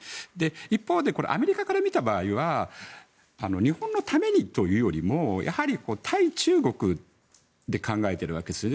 一方で、アメリカから見た場合は日本のためにというよりもやはり対中国で考えてるわけですよね。